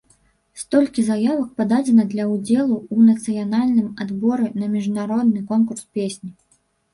Столькі заявак пададзена для ўдзелу ў нацыянальным адборы на міжнародны конкурс песні.